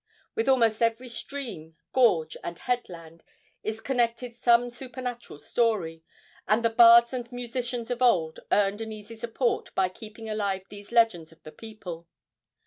With almost every stream, gorge and headland is connected some supernatural story, and the bards and musicians of old earned an easy support by keeping alive these legends of the people.